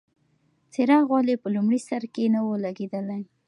څراغ ولې په لومړي سر کې نه و لګېدلی؟